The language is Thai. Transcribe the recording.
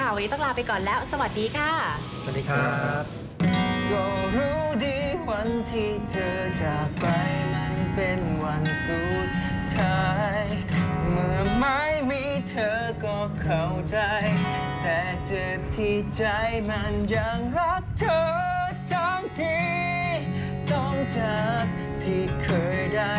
นะคะงั้นเดี๋ยวขอลาไปด้วยเพลงนี้เลยนะคะกับเจ็บที่ยังรักค่ะ